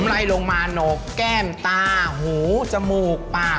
ไล่ลงมาโหนกแก้มตาหูจมูกปาก